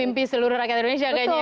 mimpi seluruh rakyat indonesia kayaknya ya